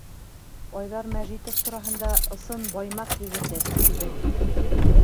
Айҙар Мәжитов тураһында, ысын Баймаҡ егете, тибеҙ.